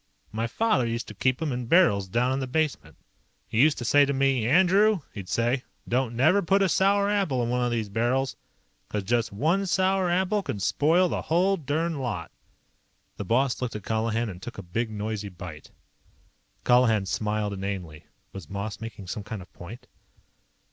My father used to keep 'em in barrels down in the basement. He used to say to me, 'Andrew,' he'd say, 'don't never put a sour apple in one of these barrels. 'Cause just one sour apple can spoil the whole derned lot.'" The boss looked at Colihan and took a big noisy bite. Colihan smiled inanely. Was Moss making some kind of point?